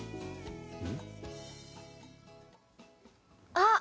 あっ！